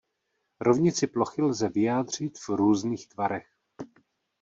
Rovnici plochy lze vyjádřit v různých tvarech.